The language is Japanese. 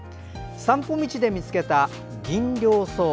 散歩道で見つけたギンリョウソウ。